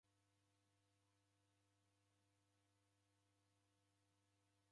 Kora modo diode dikiocha mbemba